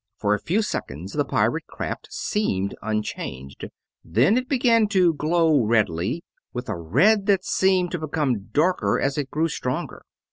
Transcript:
For a few seconds the pirate craft seemed unchanged, then it began to glow redly, with a red that seemed to become darker as it grew stronger.